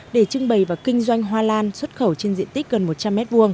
để trưng bày và kinh doanh hoa lan xuất khẩu trên diện tích gần một trăm linh m hai